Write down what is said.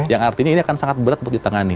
yang artinya ini akan sangat berat untuk ditangani